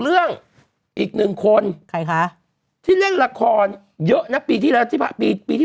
เรื่องอีกหนึ่งคนใครคะที่เล่นละครเยอะนะปีที่แล้วที่พระปีปีที่